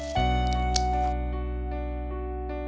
tertanda sahabat lo roy ya